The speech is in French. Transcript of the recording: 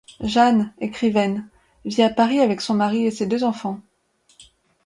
Jeanne, écrivaine, vit à Paris avec son mari et ses deux enfants.